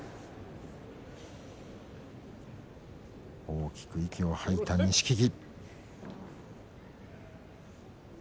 大きく息を吐いた錦木。